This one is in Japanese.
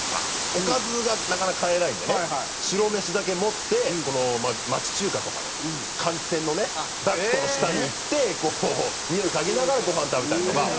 おかずがなかなか買えないんでね白飯だけ持って町中華とかの換気扇のねダクトの下に行ってこうにおい嗅ぎながらご飯食べたりとか。